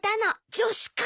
女子会！？